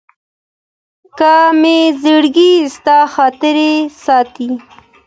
که مي زړګي ستا خاطرې ساتي